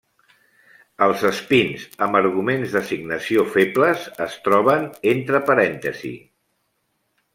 Els espins amb arguments d'assignació febles es troben entre parèntesis.